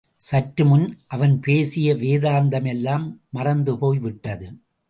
சற்றுமுன் அவன் பேசிய வேதாந்தமெல்லாம் மறந்துபோய் விட்டது.